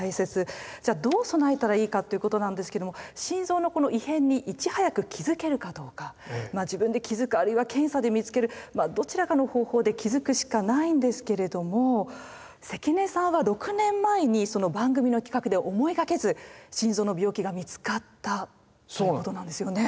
じゃどう備えたらいいかっていうことなんですけども心臓のこの異変にいち早く気づけるかどうかまあ自分で気づくあるいは検査で見つけるまあどちらかの方法で気づくしかないんですけれども関根さんは６年前に番組の企画で思いがけず心臓の病気が見つかったということなんですよね。